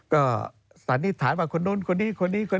ก็สันนิษฐานว่าคนนู้นคนนี้คนนี้